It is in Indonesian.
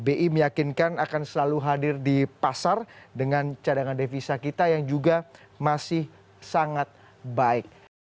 bi meyakinkan akan selalu hadir di pasar dengan cadangan devisa kita yang juga masih sangat baik